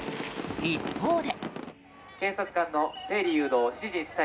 一方で。